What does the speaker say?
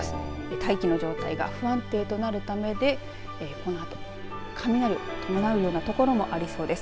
大気の状態が不安定となるためでこのあと雷を伴うような所もありそうです。